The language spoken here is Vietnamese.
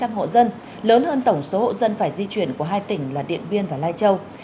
với gần tám năm trăm linh hộ dân lớn hơn tổng số hộ dân phải di chuyển của hai tỉnh là điện biên và lai châu